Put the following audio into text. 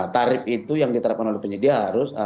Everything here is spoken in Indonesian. tarif itu yang diterapkan oleh penyedia harus